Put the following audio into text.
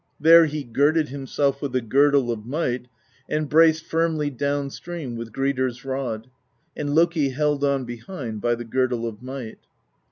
There he girded himself with the Girdle of Might and braced firmly downstream with Gridr's Rod, and Loki held on behind by the Girdle of Might.